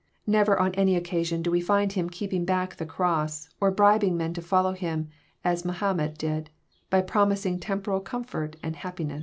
Never on any occasion do we find Him keeping back the cross, or bribing men to follow Him, as Mahomet did, by promising temporal comfort and happiness.